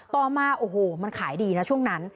ต่อมาโอ้โหมันขายดีนะช่วงนั้น